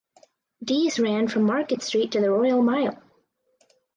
These ran from Market Street to the Royal Mile.